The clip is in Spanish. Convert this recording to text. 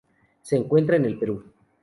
Se encuentra en el Perú.